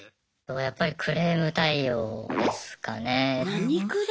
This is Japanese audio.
やっぱりクレーム対応ですかね。